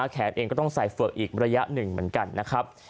แขนเองก็ต้องใส่เฝือกอีกระยะหนึ่งเหมือนกันนะครับ